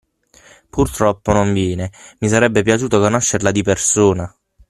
Purtroppo non viene, mi sarebbe piaciuto conoscerla di persona